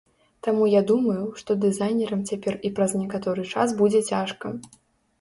Таму я думаю, што дызайнерам цяпер і праз некаторы час будзе цяжка.